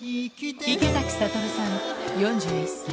池崎慧さん４１歳。